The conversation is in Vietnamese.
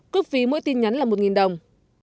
cước phí mỗi tin nhắn là một đồng